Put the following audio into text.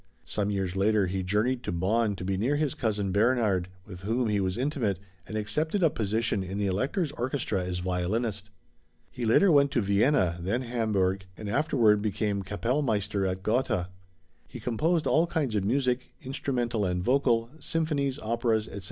Some years later he journeyed to Bonn to be near his cousin Bernhard, with whom he was intimate, and accepted a position in the Elector's orchestra as violinist. He later went to Vienna, then Hamburg, and afterward became Kapellmeister at Gotha. He composed all kinds of music, instrumental and vocal, symphonies, operas, etc.